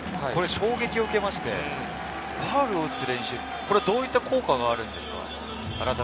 これは衝撃を受けまして、ファウルを打つ練習はどういった効果があるんですか？